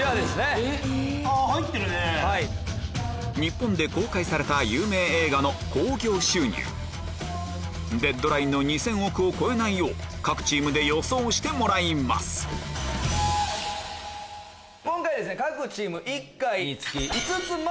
日本で公開された有名映画の興行収入デッドラインの２０００億を超えないよう各チームで予想してもらいます今回は。